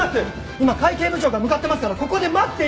今会計部長が向かってますからここで待っていてください！